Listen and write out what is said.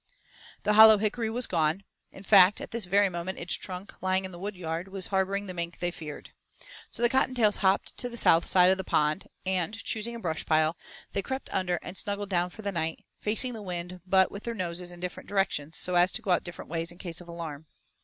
The hollow hickory was gone in fact at this very moment its trunk, lying in the wood yard, was harboring the mink they feared. So the Cottontails hopped to the south side of the pond and, choosing a brush pile, they crept under and snuggled down for the night, facing the wind but with their noses in different directions so as to go out different ways in case of alarm.